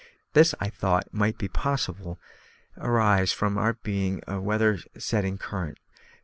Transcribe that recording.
This I thought might possibly arise from our being in a weather setting current.